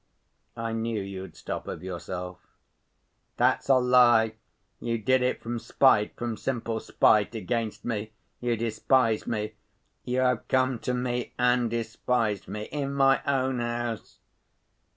"I knew you'd stop of yourself." "That's a lie. You did it from spite, from simple spite against me. You despise me. You have come to me and despised me in my own house."